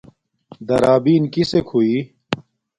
درݳبݵن کݵسݵک ہݸئݵ؟